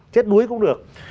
chết búi cũng được